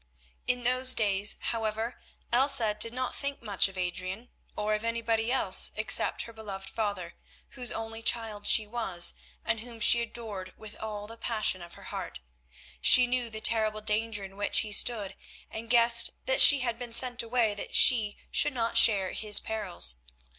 In those days, however, Elsa did not think much of Adrian, or of anybody except her beloved father, whose only child she was, and whom she adored with all the passion of her heart. She knew the terrible danger in which he stood, and guessed that she had been sent away that she should not share his perils.